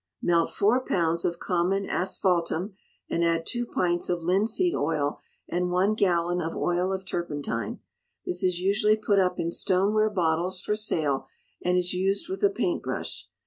Melt four pounds of common asphaltum, and add two pints of linseed oil, and one gallon of oil of turpentine. This is usually put up in stoneware bottles for sale, and is used with a paint brush.